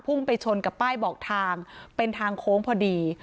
ไปชนกับป้ายบอกทางเป็นทางโค้งพอดี